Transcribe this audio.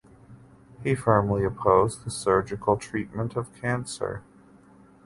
He firmly opposed the surgical treatment of cancer.